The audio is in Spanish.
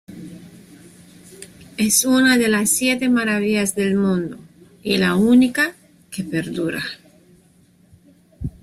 Es una de las Siete Maravillas del Mundo, y la única que perdura.